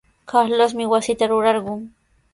Carlosmi wasita rurarqun.